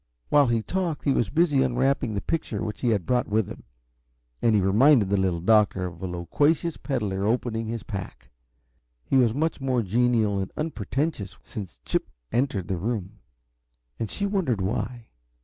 While he talked he was busy unwrapping the picture which he had brought with him, and he reminded the Little Doctor of a loquacious peddler opening his pack. He was much more genial and unpretentious since Chip entered the room, and she wondered why.